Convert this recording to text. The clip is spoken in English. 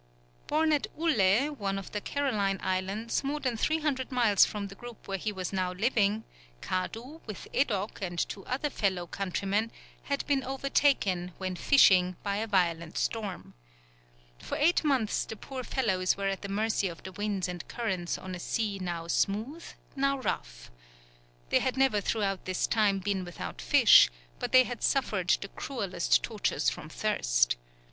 Born at Ulle, one of the Caroline Islands, more than 300 miles from the group where he was now living, Kadu, with Edok and two other fellow countrymen, had been overtaken, when fishing, by a violent storm. For eight months the poor fellows were at the mercy of the winds and currents on a sea now smooth, now rough. They had never throughout this time been without fish, but they had suffered the cruelest tortures from thirst.